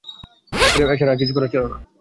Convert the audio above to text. এ ছাড়া কিছু করার ছিল না।